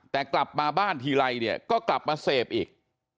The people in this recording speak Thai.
แต่กลับมาบ้านทีไรเนี่ยก็กลับมาเสพอีก